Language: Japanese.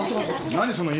何その犬？